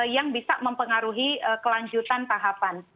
yang bisa mempengaruhi kelanjutan tahapan